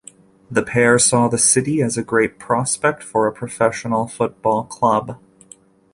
The pair saw the city as a great prospect for a professional football club.